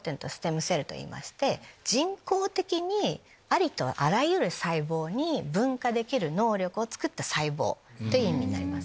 人工的にありとあらゆる細胞に分化できる能力を作った細胞って意味になります。